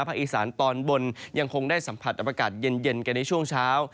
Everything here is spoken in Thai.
อีสานตอนบนยังคงได้สัมผัสอากาศเย็นกันในช่วงเช้า